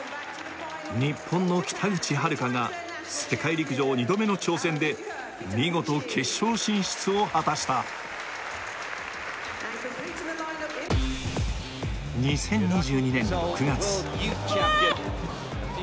日本の北口榛花が世界陸上二度目の挑戦で見事決勝進出を果たした２０２２年６月うわーっ！